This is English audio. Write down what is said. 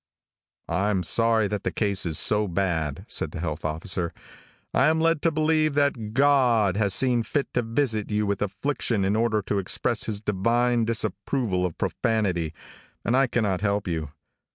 "I am sorry that the case is so bad," said the health officer. "I am led to believe that God has seen fit to visit you with affliction in order to express His Divine disapproval of profanity, and I cannot help you.